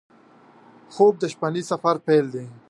خوب د شپهني سفر پیل دی